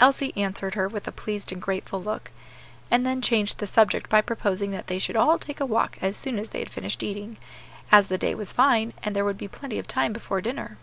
Elsie answered her with a pleased and grateful look; and then changed the subject by proposing that they should all take a walk as soon as they had finished eating, as the day was fine, and there would be plenty of time before dinner.